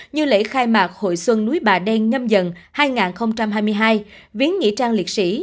như lễ khai mạc hội xuân núi bà đen nhâm dần hai nghìn hai mươi hai viến nghỉ trang liệt sĩ